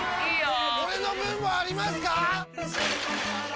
俺の分もありますか！？